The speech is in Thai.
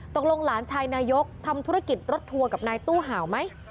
หลานชายนายกทำธุรกิจรถทัวร์กับนายตู้เห่าไหม